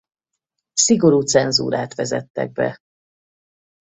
Szigorú cenzúrát vezettek be.